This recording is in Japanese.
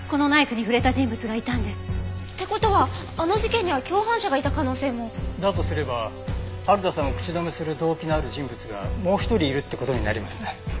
って事はあの事件には共犯者がいた可能性も？だとすれば春田さんを口止めする動機のある人物がもう一人いるって事になりますね。